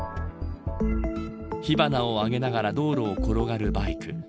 火花を上げながら道路を転がるバイク。